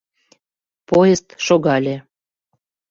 Поезд шогале.